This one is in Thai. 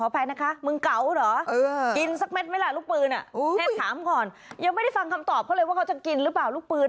พุทธตอบเขาเลยว่าเขาจะกินรึเปล่าลูกปืน